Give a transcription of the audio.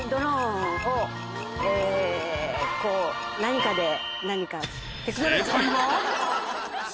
こう何かで何か。